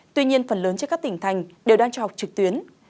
tuy nhiên phần lớn trên các tỉnh thành đều đang cho học trực tuyến